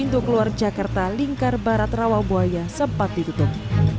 pintu keluar jakarta lingkar barat rawabuaya sempat ditutup